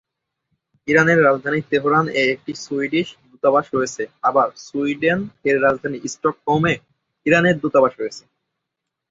Iran এর রাজধানী Tehran এ একটি সুইডিশ দূতাবাস রয়েছে, আবার সুইডেন এর রাজধানী স্টকহোম এ ইরানের দূতাবাস রয়েছে।